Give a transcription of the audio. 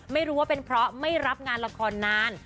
ไม่รู้ว่าเป็นเพราะไม่รับงานละครนาน